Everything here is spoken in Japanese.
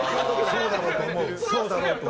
そうだろうと思う。